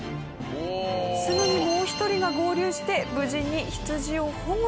すぐにもう１人が合流して無事にヒツジを保護。